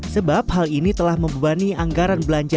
sebab hal ini telah membebani anggaran belanja